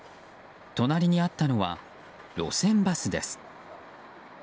隣にあったのは路線バスです。